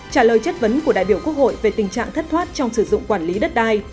trả lời chất vấn của đại biểu quốc hội về tình trạng thất thoát trong sử dụng quản lý đất đai